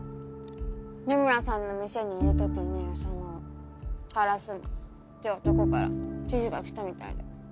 緋邑さんの店にいる時にその烏丸って男から指示が来たみたいで。